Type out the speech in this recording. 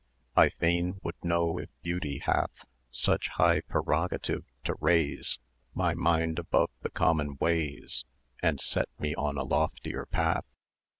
I fain would know if beauty hath Such high prerogative, to raise My mind above the common ways, And set me on a loftier path.